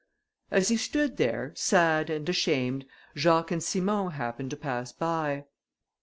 As he stood there, sad and ashamed, Jacques and Simon happened to pass by.